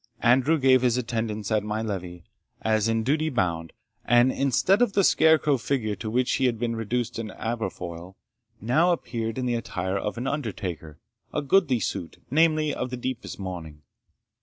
Andrew gave his attendance at my levee, as in duty bound, and, instead of the scarecrow figure to which he had been reduced at Aberfoil, now appeared in the attire of an undertaker, a goodly suit, namely, of the deepest mourning.